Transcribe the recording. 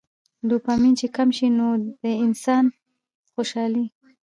ډوپامين چې کم شي نو د انسان څوشالي